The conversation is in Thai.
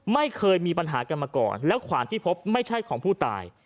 ไม่เคยมีปัญหากันมาก่อนแล้วขวานที่พบไม่ใช่ของผู้ตาย